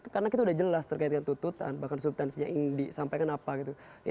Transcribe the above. karena kita sudah jelas terkaitkan tututan bahkan subtansinya ingin disampaikan apa